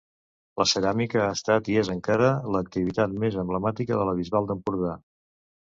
La ceràmica ha estat i és encara l’activitat més emblemàtica de la Bisbal d’Empordà.